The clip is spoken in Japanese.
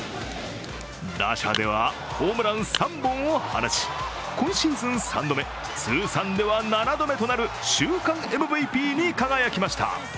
打者ではホームラン３本を放ち、今シーズン３度目、通算では７度目となる週間ＭＶＰに輝きました。